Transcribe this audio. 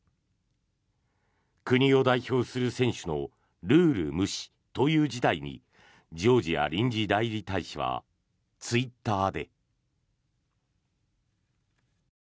国を代表する選手のルール無視という事態にジョージア臨時代理大使はツイッターで。